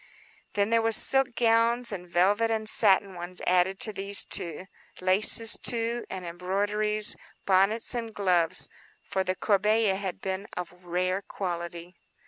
Then there were silk gowns, and velvet and satin ones added to these; laces, too, and embroideries; bonnets and gloves; for the corbeille had been of rare quality.